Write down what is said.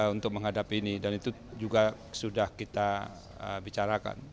untuk menghadapi ini dan itu juga sudah kita bicarakan